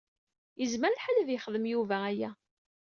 Yezmer lḥal ad yexdem Yuba aya.